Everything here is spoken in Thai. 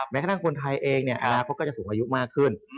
แม้กระทั่งคนไทยเองเนี่ยอนาคตก็จะสูงอายุมากขึ้น